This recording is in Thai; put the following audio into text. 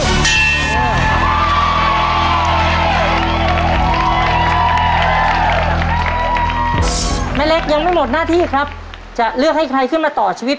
แม่เล็กยังไม่หมดหน้าที่ครับจะเลือกให้ใครขึ้นมาต่อชีวิต